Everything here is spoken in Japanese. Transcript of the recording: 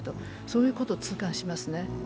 そういうことを痛感しますね。